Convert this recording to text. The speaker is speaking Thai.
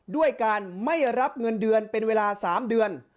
ด้วยการไม่รับเงินเดือนเป็นเวลา๓เดือน